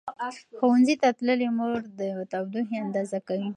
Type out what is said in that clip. ښوونځې تللې مور د تودوخې اندازه کوي.